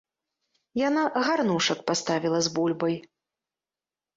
Яна гарнушак паставіла з бульбай.